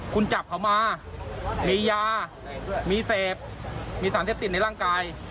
คุณจับเขามามียามีเสพมีสารเสพติดในร่างกาย